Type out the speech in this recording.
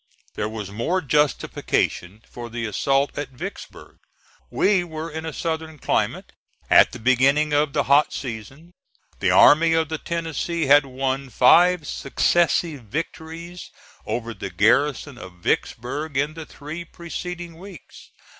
There was more justification for the assault at Vicksburg. We were in a Southern climate, at the beginning of the hot season. The Army of the Tennessee had won five successive victories over the garrison of Vicksburg in the three preceding weeks.